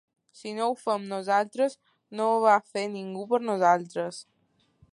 Si no ho fem nosaltres, no ho va a fer ningú per nosaltres.